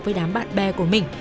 với đám bạn bè của mình